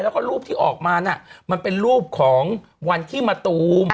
แล้วก็รูปที่ออกมาน่ะมันเป็นรูปของวันที่มะตูม